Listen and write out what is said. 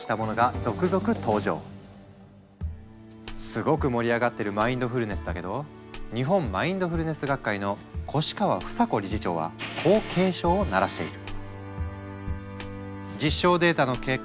すごく盛り上がってるマインドフルネスだけど日本マインドフルネス学会の越川房子理事長はこう警鐘を鳴らしている。